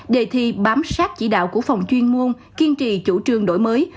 đề thi bám sát chỉ đạo của phòng chuyên môn kiên trì chủ trương đổi mới